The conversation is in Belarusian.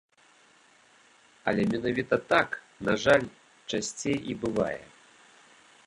Але менавіта так, на жаль, часцей і бывае.